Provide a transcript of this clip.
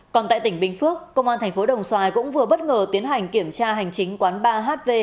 còn tại tỉnh bình phước công an thành phố đồng xoài cũng vừa bất ngờ tiến hành kiểm tra hành chính quán ba hv